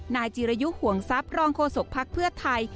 นายจิรยุห่วงทรัพย์รองโฆษกภักดิ์เพื่อไทย